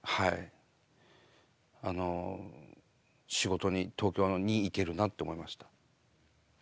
あの仕事に東京に行けるなと思いました。